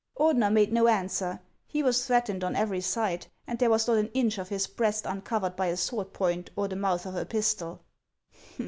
Ordener made no answer ; he was threatened on every side, and there was not an inch of his breast uncovered by a sword point or the mouth of a pistol.